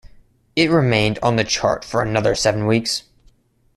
It remained on the chart for another seven weeks.